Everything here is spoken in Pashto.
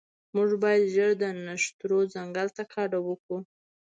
موږ باید ژر د نښترو ځنګل ته کډه وکړو